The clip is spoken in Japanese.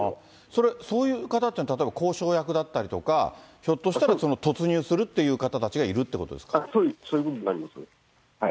それ、そういう方っていうのは例えば交渉役だったりとか、ひょっとしたら突入するっていう方たちがいるってことですか。